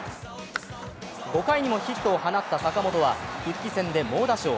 ５回にもヒットを放った坂本は復帰戦で猛打賞。